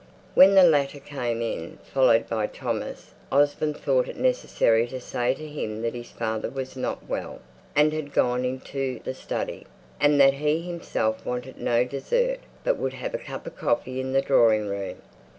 When the latter came in, followed by Thomas, Osborne thought it necessary to say to him that his father was not well, and had gone into the study; and that he himself wanted no dessert, but would have a cup of coffee in the drawing room.